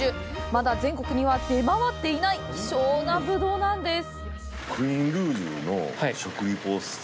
まだ全国には出回っていない希少なブドウなんです！